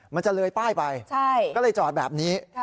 มันจะเลยป้ายไปก็เลยจอดแบบนี้